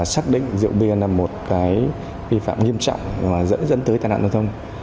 xác định diệu biên là một cái vi phạm nghiêm trọng và dẫn tới tai nạn giao thông